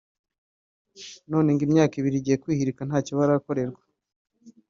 none ngo imyaka ibiri igiye kwihirika ntacyo barakorerwa